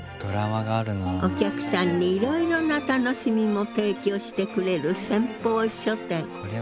お客さんにいろいろな楽しみも提供してくれる先鋒書店。